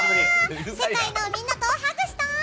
世界のみんなとハグしたい！